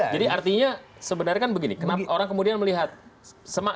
jadi artinya sebenarnya kan begini kenapa orang kemudian melihat